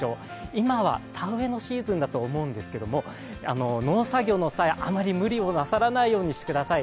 今は田植えのシーズンだと思うんですけれども、農作業の際、あまり無理をなさらないようにしてください。